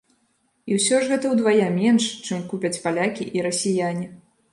І ўсё ж гэта ўдвая менш, чым купяць палякі і расіяне.